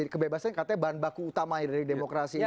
kebebasan katanya bahan baku utama dari demokrasi ini